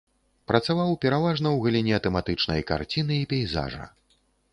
Працаваў пераважна ў галіне тэматычнай карціны і пейзажа.